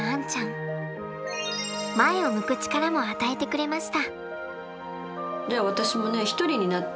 前を向く力も与えてくれました。